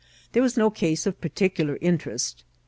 There was no case of particular interest.